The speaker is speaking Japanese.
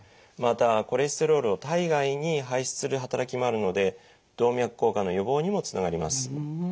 またコレステロールを体外に排出する働きもあるので動脈硬化の予防にもつながります。